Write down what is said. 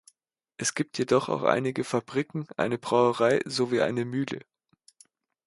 Es gibt jedoch auch einige Fabriken, eine Brauerei sowie eine Mühle.